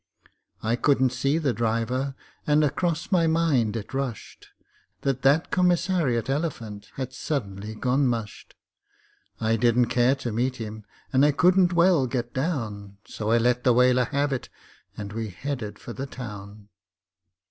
I couldn't see the driver, and across my mind it rushed That that Commissariat elephant had suddenly gone musth. I didn't care to meet him, and I couldn't well get down, So I let the Waler have it, and we headed for the town.